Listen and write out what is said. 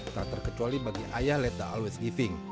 tak terkecuali bagi ayah let the laut always giving